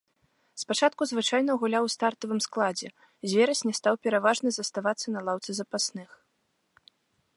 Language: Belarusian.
Спачатку звычайна гуляў у стартавым складзе, з верасня стаў пераважна заставацца на лаўцы запасных.